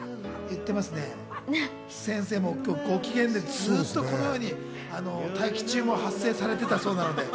先生もご機嫌でずっとこのように待機中も発声をされていたそうです。